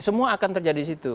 semua akan terjadi di situ